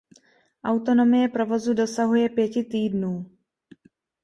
Autonomie provozu dosahuje pěti týdnů.